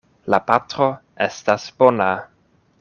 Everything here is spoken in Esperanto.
La patro estas bona.